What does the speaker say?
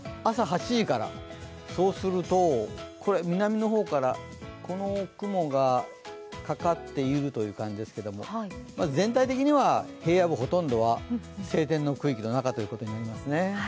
朝８時から、そうすると、南の方からこの雲がかかっているという感じですけど、全体的には平野部ほとんどは晴天の区域の中ということになります。